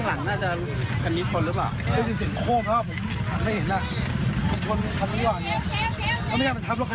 มันก็เลยรีบกินขึ้นออกไป